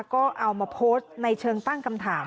ก็เอามาโพสต์ในเชิงตั้งคำถาม